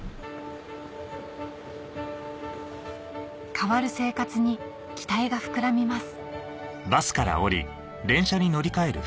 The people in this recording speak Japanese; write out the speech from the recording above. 変わる生活に期待が膨らみます